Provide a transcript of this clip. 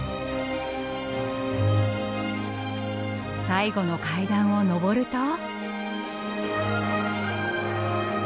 最後の階段を上ると。